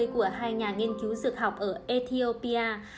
của hai nhà nghiên cứu dược học ở ethiopia